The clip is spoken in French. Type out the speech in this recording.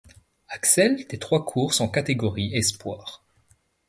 Axelle des trois courses en catégorie Espoir.